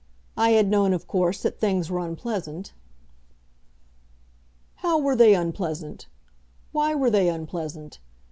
I had known, of course, that things were unpleasant." "How were they unpleasant? Why were they unpleasant?